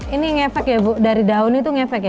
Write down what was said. ini ngefek ya bu dari daun itu ngefek ya